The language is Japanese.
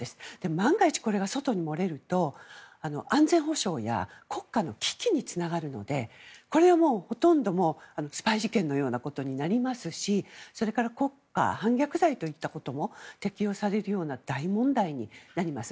万が一、これが外に漏れると安全保障や国家の危機につながるのでこれは、ほとんどスパイ事件のようなことになりますしそれから国家反逆罪といったことも適用されるような大問題になります。